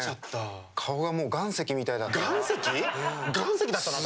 顔がもう岩石みたいだったわ。